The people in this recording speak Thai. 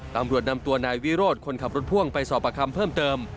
ตำรวจนำตัวนายวิโรธคนขับรถพ่วงไปสอบประคำเพิ่มเติม